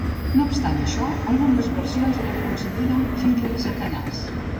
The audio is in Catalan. No obstant això, algunes versions la consideren filla de Satanàs.